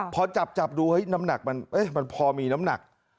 พอจับดูเฮ้ยน้ำหนักมันพอมีน้ำหนัก